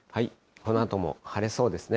このあとも晴れそうですね。